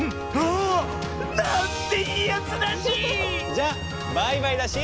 じゃバイバイだし！